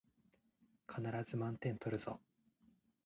必ず満点取るぞ